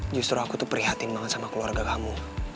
justru aku tuh prihatin banget sama keluarga kamu